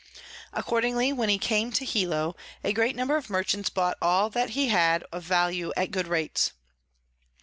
Accordingly, when he came to Hilo, a great number of Merchants bought all that he had of Value at good rates.